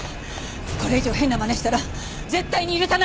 これ以上変なまねしたら絶対に許さないから！